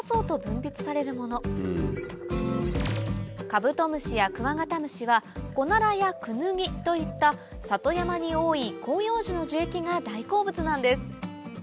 カブトムシやクワガタムシはコナラやクヌギといった里山に多い広葉樹の樹液が大好物なんです